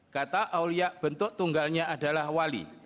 kata awliya bentuk tunggalnya adalah wali